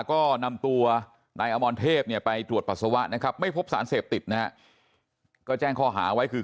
ก็นำตัวนายอมรเทพเนี่ยไปตรวจปัสสาวะนะครับไม่พบสารเสพติดนะฮะก็แจ้งข้อหาไว้คือ